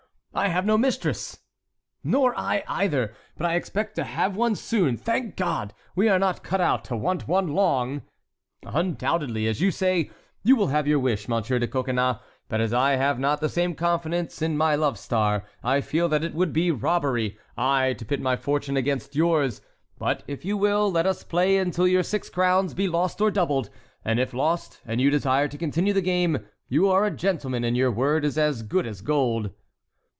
"I have no mistress!" "Nor I either. But I expect to have one soon. Thank God! we are not cut out to want one long!" "Undoubtedly, as you say, you will have your wish, Monsieur de Coconnas, but as I have not the same confidence in my love star, I feel that it would be robbery, I to pit my fortune against yours. But, if you will, let us play until your six crowns be lost or doubled, and if lost, and you desire to continue the game, you are a gentleman, and your word is as good as gold."